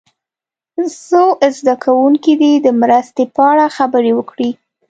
څو زده کوونکي دې د مرستې په اړه خبرې وکړي.